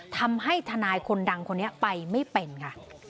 ทำให้ทนายคนดังคนนี้ไปไม่เป็นค่ะ